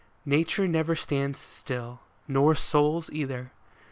Nature never stands still, nor souls either.